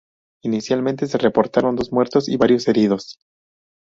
Inicialmente, se reportaron dos muertos y varios heridos.